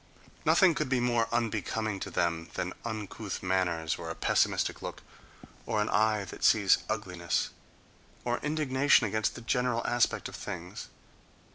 Nothing could be more unbecoming to them than uncouth manners or a pessimistic look, or an eye that sees ugliness—or indignation against the general aspect of things.